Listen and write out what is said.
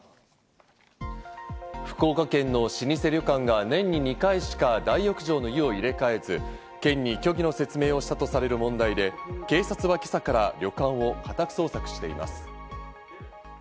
福岡県の老舗旅館が年に２回しか大浴場の湯を入れ替えず、県に虚偽の説明をしたとされる問題で、警察は今朝から旅館を家宅捜索しています。